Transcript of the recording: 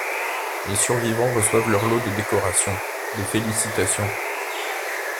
Les survivants reçoivent leur lot de décorations, de félicitations.